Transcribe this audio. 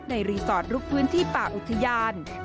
รีสอร์ทลุกพื้นที่ป่าอุทยาน